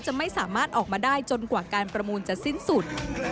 จะไม่สามารถออกมาได้จนกว่าการประมูลจะสิ้นสุด